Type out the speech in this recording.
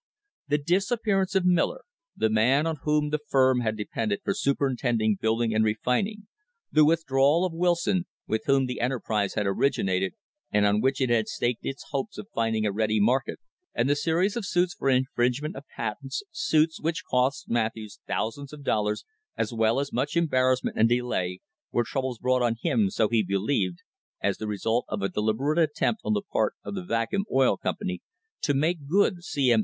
The disappearance of Miller, the man on whom the firm THE BUFFALO CASE had depended for superintending building and refining, the withdrawal of Wilson, with whom the enterprise had origi nated and on which it had staked its hopes of finding a ready market, and the series of suits for infringement of patents, suits which cost Matthews thousands of dollars as well as much embarrassment and delay, were troubles brought on him, so he believed, as the result of a deliberate attempt on the part of the Vacuum Oil Company to make good C. M.